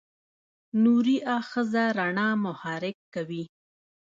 نوري آخذه رڼا محرک کوي.